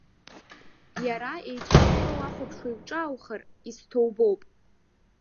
Иара еиҿрышәшәо уахәаԥшуа уҿааухар, исҭоубоуп.